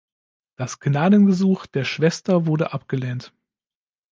Das Gnadengesuch der Schwester wurde abgelehnt.